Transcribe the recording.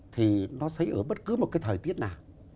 thì nó sẽ ở bất cứ một cái thời tiết nào